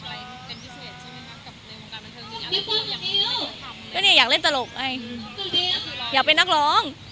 กับเรียนของการบันเทิงอยากเล่นตลกไหมอยากเป็นนักร้อง